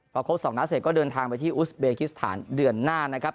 พอครบ๒นัดเสร็จก็เดินทางไปที่อุสเบกิสถานเดือนหน้านะครับ